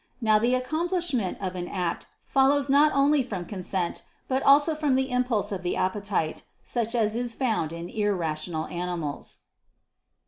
Now the accomplishment of an act follows not only from consent, but also from the impulse of the appetite, such as is found in irrational animals.